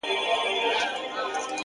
مهرباني له هرې ژبې ښه پوهېږي!.